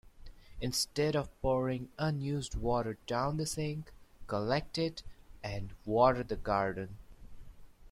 Instead of pouring unused water down the sink, collect it and water the garden.